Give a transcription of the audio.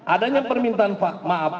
adanya permintaan maaf